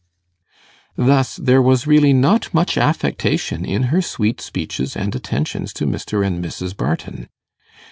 Thus there was really not much affectation in her sweet speeches and attentions to Mr. and Mrs. Barton.